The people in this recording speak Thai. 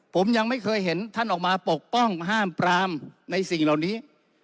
ผมยังไม่เคยเห็นท่านออกมาปกป้องห้ามปรามในสิ่งเหล่านี้